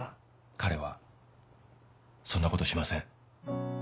彼はそんなことしません。